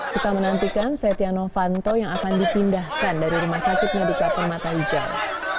kita menantikan setiano fanto yang akan dipindahkan dari rumah sakitnya di kapol mata hijau